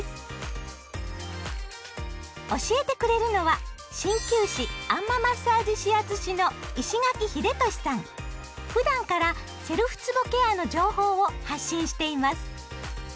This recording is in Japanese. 教えてくれるのは鍼灸師あん摩マッサージ指圧師のふだんからセルフつぼケアの情報を発信しています。